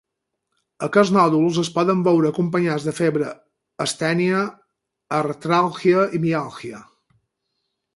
Aquests nòduls es poden veure acompanyats de febre, astènia, artràlgia i miàlgia.